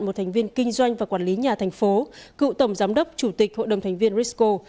một thành viên kinh doanh và quản lý nhà thành phố cựu tổng giám đốc chủ tịch hội đồng thành viên risco